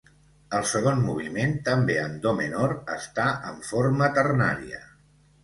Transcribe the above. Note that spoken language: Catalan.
El segon moviment, també en do menor, està en forma ternària.